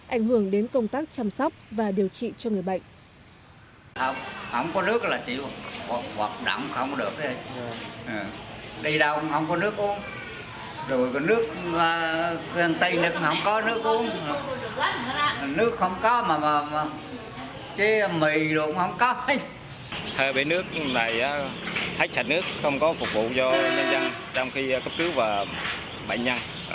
ảnh hưởng đến công tác chăm sóc và điều trị cho người bệnh